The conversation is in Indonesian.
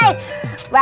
ini mah gampang